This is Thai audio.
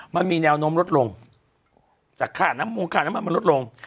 มันมีแนวโน้มลดลงจากค่าน้ำมูลค่าน้ำมันมันลดลง